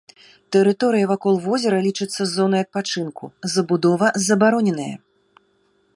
Тэрыторыя вакол возера лічыцца зонай адпачынку, забудова забароненая.